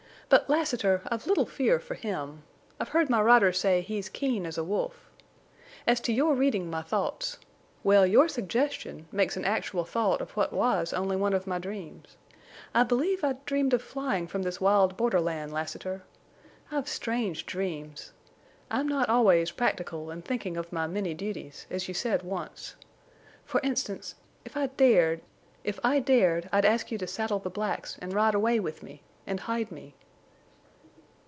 But, Lassiter, I've little fear for him. I've heard my riders say he's as keen as a wolf.... As to your reading my thoughts—well, your suggestion makes an actual thought of what was only one of my dreams. I believe I dreamed of flying from this wild borderland, Lassiter. I've strange dreams. I'm not always practical and thinking of my many duties, as you said once. For instance—if I dared—if I dared I'd ask you to saddle the blacks and ride away with me—and hide me."